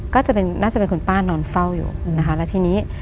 ก็จะเป็นน่าจะเป็นคุณป้านอนเฝ้าอยู่นะคะแล้วทีนี้